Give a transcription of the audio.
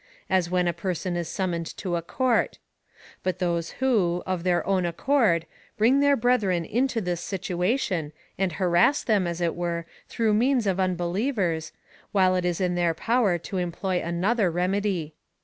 199 as when a person is summoned to a court ; but those who, of their own accord, bring their brethren into this situation, and harass them, as it were, through means of unbelievers, while it is in their power to employ another remedy.